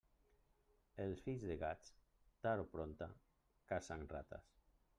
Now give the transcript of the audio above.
Els fills de gats, tard o prompte, acacen rates.